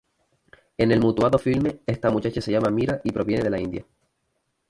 En el mutado filme, esta muchacha se llama Mira y proviene de la India.